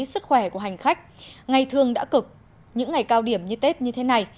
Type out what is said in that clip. sức khỏe của hành khách ngày thường đã cực những ngày cao điểm như tết như thế này